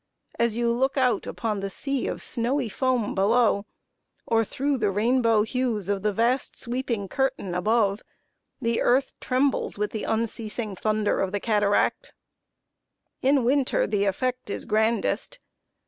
As you look out upon the sea of snowy foam below, or through the rainbow hues of the vast sweeping curtain above, the earth trembles with the unceasing thunder of the cataract. In winter the effect is grandest.